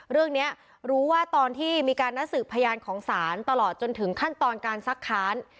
เรื่องนี้รู้ว่าตอนที่มีการนัดสืบพยานของศาลตลอดจนถึงขั้นตอนการซักค้าน